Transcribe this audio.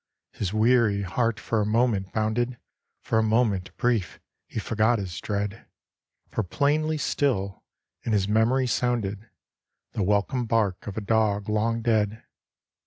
His weary heart for a moment bounded, For a moment brief he forgot his dread; For plainly still in his memory sounded The welcome bark of a dog long dead.